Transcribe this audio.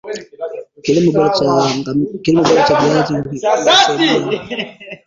Bunge la Marekani lina uwezo wa kubadili uwamuzi huo